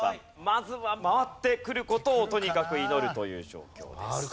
まずは回ってくる事をとにかく祈るという状況です。